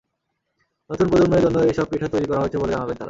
নতুন প্রজন্মের জন্যই এসব পিঠা তৈরি করা হয়েছে বলে জানালেন তাঁরা।